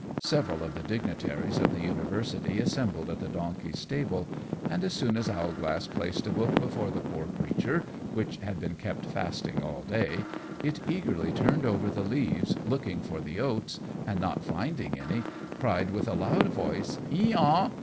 Several of the dignitaries of the university assembled at the donkey's stable, and as soon as Owlglass placed a book before the poor creature, which had been kept fasting all day, it eagerly turned over the leaves, looking for the oats, and not finding any, cried with a loud voice, "E aw!